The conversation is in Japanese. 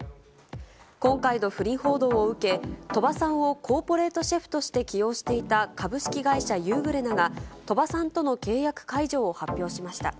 今回の不倫報道を受け、鳥羽さんをコーポレートシェフとして起用していた株式会社ユーグレナが、鳥羽さんとの契約解除を発表しました。